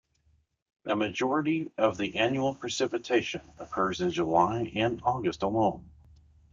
A majority of the annual precipitation occurs in July and August alone.